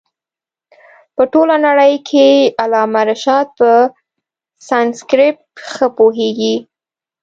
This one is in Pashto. په ټوله نړۍ کښي علامه رشاد په سانسکرېټ ښه پوهيږي.